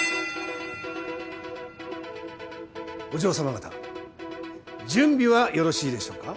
お嬢様方準備はよろしいでしょうか？